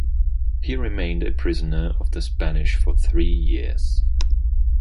He remained a prisoner of the Spanish for three years.